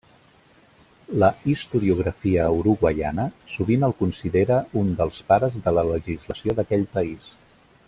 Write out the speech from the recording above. La historiografia uruguaiana sovint el considera un dels pares de la legislació d'aquell país.